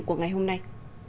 của ngày hôm nay